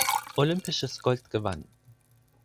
Olympisches Gold gewann.